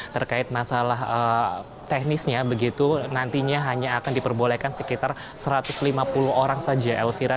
terkait masalah teknisnya begitu nantinya hanya akan diperbolehkan sekitar satu ratus lima puluh orang saja elvira